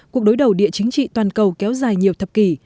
cuộc đối đầu địa chính trị toàn cầu kéo dài nhiều thập kỷ